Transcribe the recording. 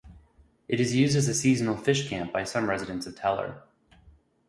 It is used as a seasonal fish camp by some residents of Teller.